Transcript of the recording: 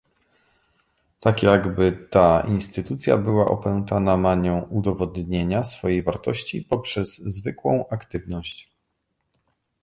Tak jakby ta instytucja była opętana manią udowodnienia swojej wartości poprzez zwykłą aktywność